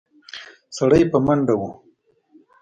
سړی په منډه و.